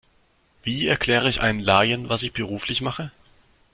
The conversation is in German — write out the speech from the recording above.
Wie erkläre ich einem Laien, was ich beruflich mache?